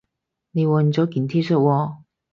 你換咗件恤衫喎